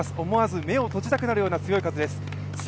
思わず目を閉じたくなるような強い風です。